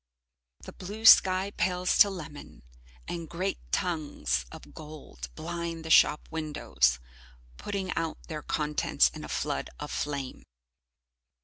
The blue sky pales to lemon, and great tongues of gold blind the shop windows, putting out their contents in a flood of flame.